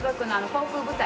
航空部隊。